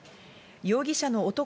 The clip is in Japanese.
容疑者の男